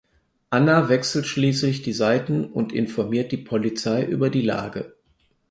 Anna wechselt schließlich die Seiten und informiert die Polizei über die Lage.